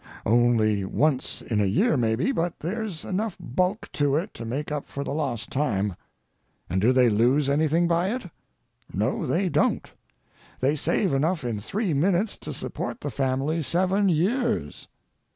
Only once in a year, maybe, but there's enough bulk to it to make up for the lost time. And do they lose anything by it? No, they don't; they save enough in three minutes to support the family seven years.